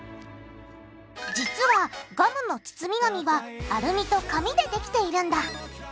実はガムの包み紙はアルミと紙でできているんだ。